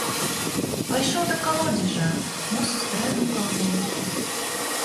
Пайшоў да калодзежа, мо сустрэну каго.